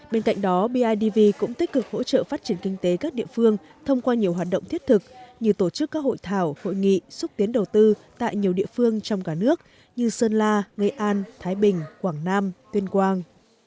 bên cạnh đó bidv cũng tích cực hỗ trợ phát triển kinh tế các địa phương thông qua nhiều hoạt động thiết thực như tổ chức các hội thảo hội nghị xúc tiến đầu tư tại nhiều địa phương trong cả nước như sơn la nghệ an thái bình quảng nam tuyên quang